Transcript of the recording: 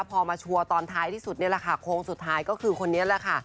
พอมาชัวร์ตอนท้ายที่สุดนี่แหละค่ะโค้งสุดท้ายก็คือคนนี้แหละค่ะ